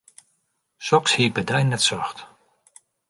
Soks hie ik by dy net socht.